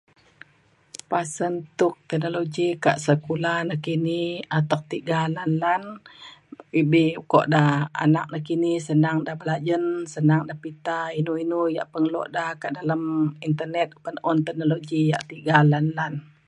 pasen tuk teknologi ka sekula nekini atek tiga lan lan ebi ukok da anak nekini senang ida belajen senang ida pita inu inu ia' pengelo da ka dalem internet oban un teknologi ia' tiga lan lan